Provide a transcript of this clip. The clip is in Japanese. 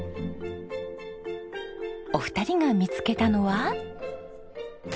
お二人が見つけたのは？